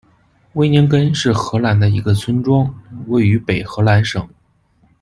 威宁根是荷兰的一个村庄，位于北荷兰省。